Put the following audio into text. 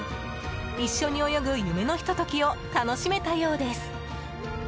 一緒に泳ぐ夢のひと時を楽しめたようです。